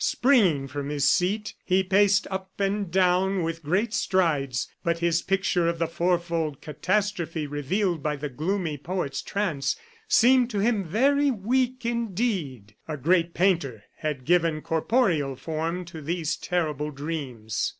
Springing from his seat, he paced up and down with great strides; but his picture of the fourfold catastrophe revealed by the gloomy poet's trance, seemed to him very weak indeed. A great painter had given corporeal form to these terrible dreams.